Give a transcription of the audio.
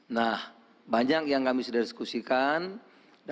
nah banyak yang kami sudah diskusikan